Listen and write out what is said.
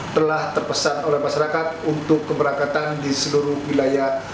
telah terpesan oleh masyarakat untuk keberangkatan di seluruh wilayah